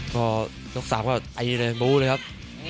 ก็ยก๓ก็ไอดีเลยบูร์เลยครับ